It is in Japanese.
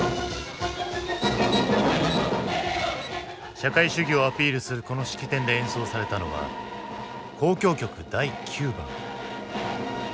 社会主義をアピールするこの式典で演奏されたのは「交響曲第９番」。